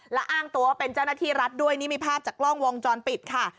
และอ้างตัวเป็นเจ้าหน้าที่รัฐด้วยนี่มีภาพจากกล้องวงจรปิดค่ะ